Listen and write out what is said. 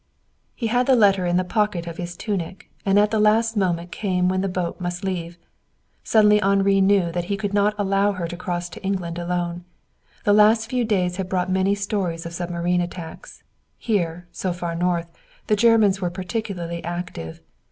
He had the letter in the pocket of his tunic, and at last the moment came when the boat must leave. Suddenly Henri knew that he could not allow her to cross to England alone. The last few days had brought many stories of submarine attacks. Here, so far north, the Germans were particularly active.